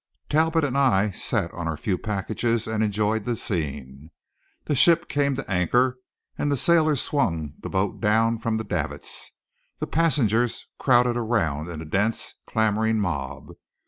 Talbot and I sat on our few packages and enjoyed the scene. The ship came to anchor and the sailors swung the boat down from the davits. The passengers crowded around in a dense, clamouring mob.